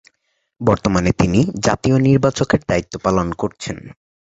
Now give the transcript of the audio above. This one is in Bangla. বর্তমানে তিনি জাতীয় নির্বাচকের দায়িত্ব পালন করছেন।